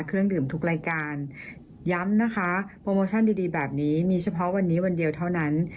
เครื่องดื่มทุกรายการย้ำนะคะโปรโมชั่นดีดีแบบนี้มีเฉพาะวันนี้วันเดียวเท่านั้น